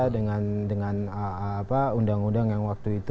dengan undang undang yang waktu itu